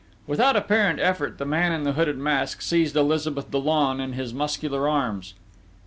Without apparent effort, the man in the hooded mask seized Elizabeth Dollon in his muscular arms.